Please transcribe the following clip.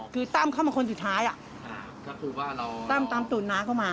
คือตั้มเข้ามาคนสุดท้ายตั้มตามตุ๋นน้าก็มา